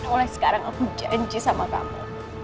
oleh sekarang aku janji sama kamu